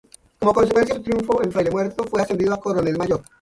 Como consecuencia de su triunfo en Fraile Muerto, fue ascendido a coronel mayor.